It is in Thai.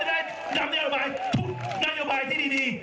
เราจะได้ทุกนโยบายที่ดี